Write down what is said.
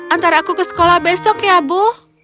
antara aku ke sekolah besok ya bu